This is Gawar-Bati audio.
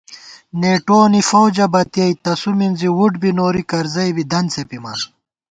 نېٹوَنی فوجہ بتیَئ تسُو مِنزی وُٹبی نوری کرزَئی بی دنت څېپِمان